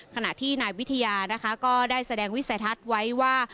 ขณะที่นายวิทยานะคะก็ได้แสดงวิสัยทัศน์ไว้ว่า